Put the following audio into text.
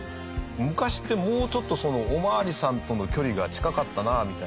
昔ってもうちょっとそのお巡りさんとの距離が近かったなみたいな感じ。